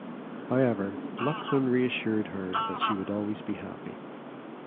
However Luqman reassured her that she would always be happy.